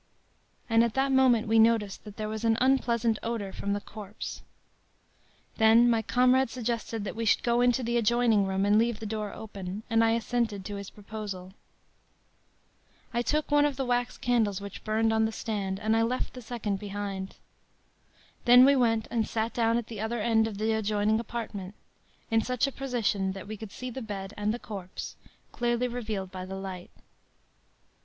“And at that moment we noticed that there was an unpleasant odor from the corpse. “Then, my comrade suggested that we should go into the adjoining room, and leave the door open; and I assented to his proposal. “I took one of the wax candles which burned on the stand, and I left the second behind. Then we went and sat down at the other end of the adjoining apartment, in such a position that we could see the bed and the corpse, clearly revealed by the light.